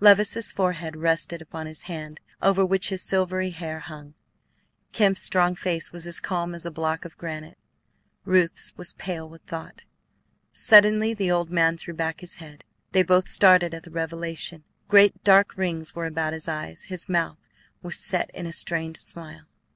Levice's forehead rested upon his hand over which his silvery hair hung. Kemp's strong face was as calm as a block of granite; Ruth's was pale with thought. Suddenly the old man threw back his head. They both started at the revelation: great dark rings were about his eyes; his mouth was set in a strained smile.